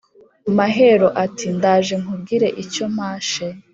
Mahero ati: ndajeNkubwire icyo mashe;